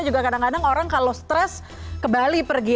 juga kadang kadang orang kalau stress ke bali pergi